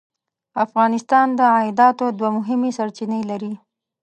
افغانستان د عایداتو دوه مهمې سرچینې لري.